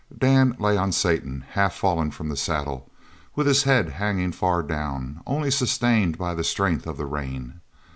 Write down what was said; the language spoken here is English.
Dan lay on Satan, half fallen from the saddle, with his head hanging far down, only sustained by the strength of the rein.